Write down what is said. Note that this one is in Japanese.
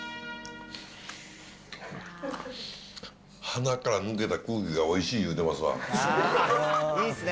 鼻から抜けた空気がおいしい言うてますわ。